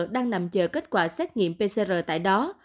đang nằm chờ kết quả xét nghiệm pcr tại đó